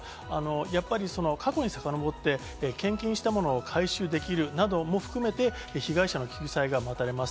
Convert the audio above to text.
やっぱり、過去にさかのぼって、献金したものを回収できるなども含めて、被害者の救済が待たれます。